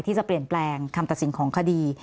ที่จะเปลี่ยนแปลงคำตัดสินของคดี